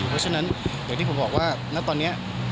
เพราะฉะนั้นอย่างที่ผมบอกว่าณตอนนี้